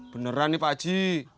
beneran nih pak haji